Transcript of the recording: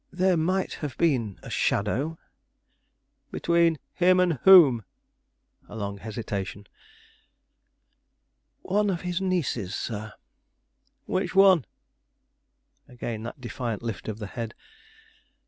There might have been a shadow " "Between him and whom?" A long hesitation. "One of his nieces, sir." "Which one?" Again that defiant lift of the head.